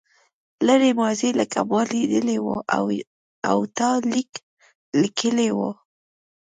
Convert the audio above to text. لرې ماضي لکه ما لیدلې وه او تا لیک لیکلی و.